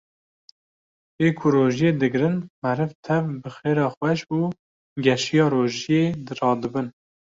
ê ku rojiyê digrin meriv tev bi xêra xweş û geşiya rojiyê radibin.